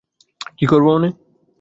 কী করব মানে?